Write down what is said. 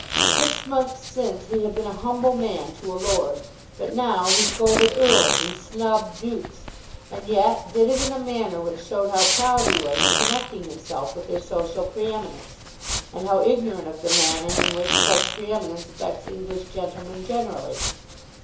Six months since he had been a humble man to a Lord, but now he scolded Earls and snubbed Dukes, and yet did it in a manner which showed how proud he was of connecting himself with their social pre eminence, and how ignorant of the manner in which such pre eminence affects English gentlemen generally.